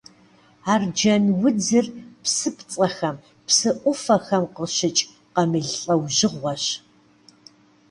Арджэнудзыр псыпцӏэхэм, псы ӏуфэхэм къыщыкӏ къамыл лӏэужьыгъуэщ.